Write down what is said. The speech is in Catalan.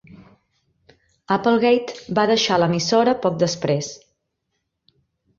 Applegate va deixar l'emissora poc després.